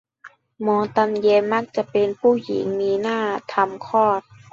หมอตำแย มักจะเป็นผู้หญิง มีหน้าที่ทำคลอด